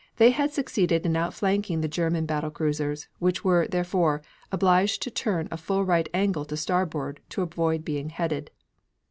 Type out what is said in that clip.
They had succeeded in outflanking the German battle cruisers, which were, therefore, obliged to turn a full right angle to starboard to avoid being headed.